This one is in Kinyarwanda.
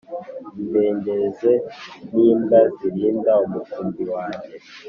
imbegereze n imbwa zirinda umukumbi wanjye